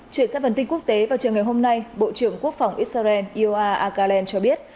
chuyển sang phần tin quốc tế vào trường ngày hôm nay bộ trưởng quốc phòng israel yoar akhalen cho biết